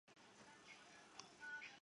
四川的多山地区损失最严重。